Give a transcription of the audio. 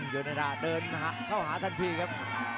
โยเนดาเดินเข้าหาทันทีครับ